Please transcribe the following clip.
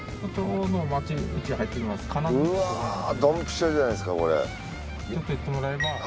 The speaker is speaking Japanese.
ちょっと行ってもらえば。